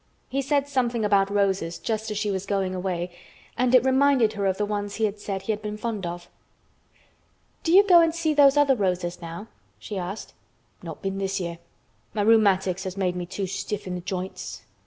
He said something about roses just as she was going away and it reminded her of the ones he had said he had been fond of. "Do you go and see those other roses now?" she asked. "Not been this year. My rheumatics has made me too stiff in th' joints."